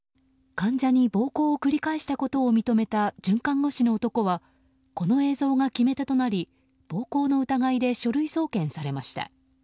患者に暴行を繰り返したことを認めた准看護師の男はこの映像が決め手となり暴行の疑いで書類送検されました。